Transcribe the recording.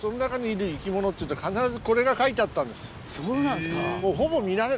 そうなんですか。